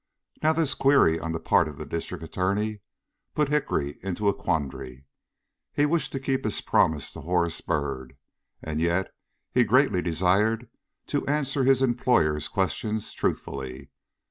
Now this query, on the part of the District Attorney, put Hickory into a quandary. He wished to keep his promise to Horace Byrd, and yet he greatly desired to answer his employer's question truthfully.